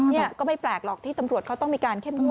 นี่ก็ไม่แปลกหรอกที่ตำรวจเขาต้องมีการเข้มข้น